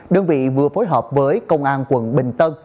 đơn vị vừa phối hợp với công an quận bình tân